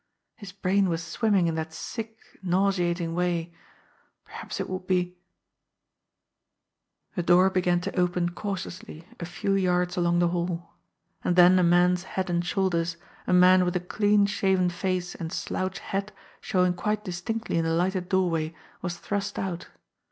His brain was swimming in that sick, nauseating way again. Perhaps it would be A door began to open cautiously a few yards along the hall. And then a man's head and shoulders, a man with a dean shaven face and slouch hat showing quite distinctly in the lighted doorway, was thrust out.